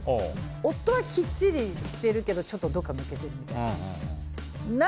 夫はきっちりしてるけどちょっとどこか抜けてるみたいな。